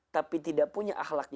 tapi tidak punya akhlaknya